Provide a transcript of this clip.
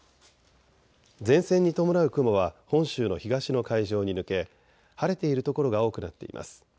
前線に伴う雲は本州の東の海上に抜け晴れている所が多くなっています。